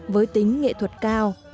với tính nghệ thuật cao